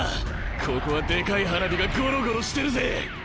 ここはでかい花火がごろごろしてるぜ。